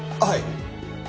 はい。